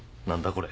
これ。